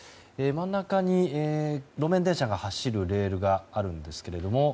真ん中に路面電車が走るレールがあるんですけども。